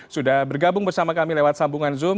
sudah bergabung bersama kami lewat sambungan zoom